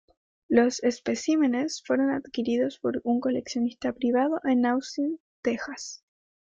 Los especímenes fueron adquiridos por un coleccionista privado en Austin, Texas.